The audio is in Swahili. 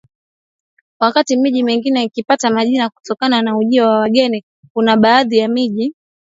Wakati miji mingine ikipata majina kutokana na ujio wa wageni kuna baadhi ya miji